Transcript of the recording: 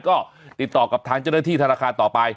ก็ติดต่อกับทางเจ้าหน้าที่ธนาคารต่อไป